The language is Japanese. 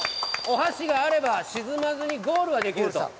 お箸があれば沈まずにゴールはできると。